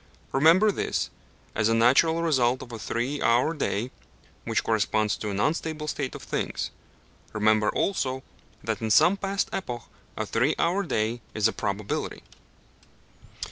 Remember this, as a natural result of a three hour day, which corresponds to an unstable state of things; remember also that in some past epoch a three hour day is a probability.